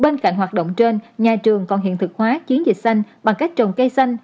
bên cạnh hoạt động trên nhà trường còn hiện thực hóa chiến dịch xanh bằng cách trồng cây xanh